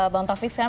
bang taufiq salah